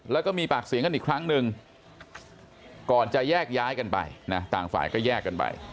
แล้วก็มีปากเสียงกันอีกครั้งหนึ่งก่อนจะแยกย้ายกันไปนะต่างฝ่ายก็แยกกันไป